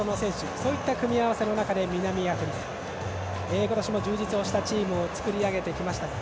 そういった組み合わせの中で南アフリカ今年も充実したチームを作り上げてきました。